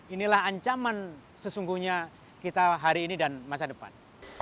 inilah ancaman sesungguhnya kita hari ini dan masa depan